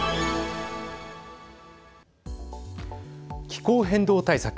気候変動対策